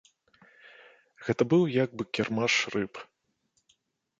Гэта быў як бы кірмаш рыб.